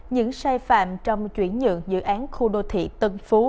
những sai phạm trong chuyển nhượng dự án khu đô thị tân phú